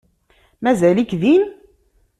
Mazal-ik din?